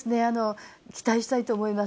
期待したいと思います。